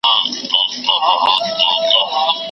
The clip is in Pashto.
او په مستیو له موجونو سره ولوبېږه